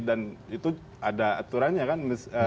dan itu ada aturannya kan